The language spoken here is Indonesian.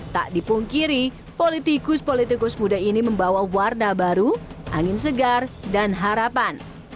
tak dipungkiri politikus politikus muda ini membawa warna baru angin segar dan harapan